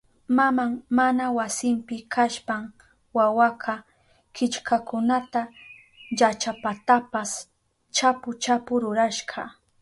Maman mana wasinpi kashpan wawaka killkakunata llachapatapas chapu chapu rurashka.